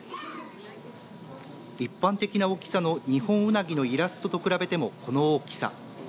一般的な大きさのニホンウナギのイラストと比べてもこの大きさ。